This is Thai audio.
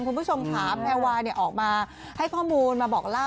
คุณผู้ชมถามแฮลวาออกมาให้ข้อมูล